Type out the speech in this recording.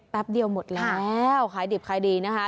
เดียวหมดแล้วขายดิบขายดีนะคะ